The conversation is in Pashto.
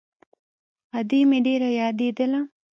ادې مې ډېره يادېدله.